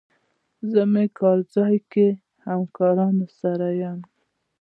زه مې کار ځای کې همکارانو سره یم.